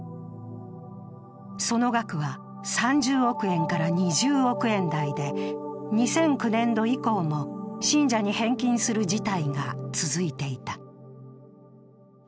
その額は３０億円から２０億円台で、２００９年度以降も、信者に返金する事態が続いていた。